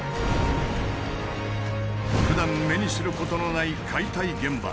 ふだん目にすることのない解体現場。